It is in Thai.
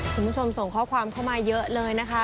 คุณผู้ชมส่งข้อความเข้ามาเยอะเลยนะคะ